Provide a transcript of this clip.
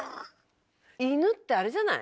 イヌってあれじゃない？